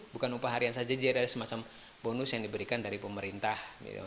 bukan upah harian saja jadi ada semacam bonus yang diberikan dari pemerintah